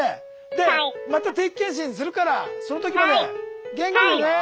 でまた定期検診するからその時まで元気でね。